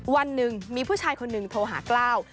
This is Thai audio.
วันหนึ่งมีผู้ชายคนหนึ่งโทรหากล้าว